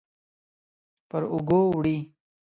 پر اوږو وړي